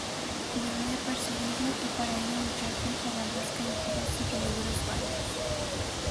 Debe de perseguirlo y para ello luchar contra bandas callejeras y peligros varios.